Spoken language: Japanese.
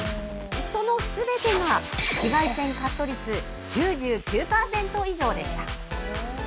そのすべてが紫外線カット率９９％以上でした。